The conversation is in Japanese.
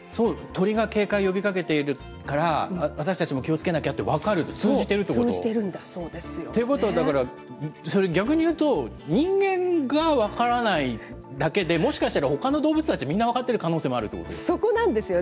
鳥が警戒を呼びかけているから、私たちも気をつけなきゃって、分かるということ、通じてるということ？ということは、逆にいうと人間が分からないだけで、もしかしたら、ほかの動物たち、みんな分かっている可能性もあるということですか。